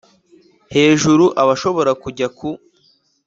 hejuru abashobora kujya ku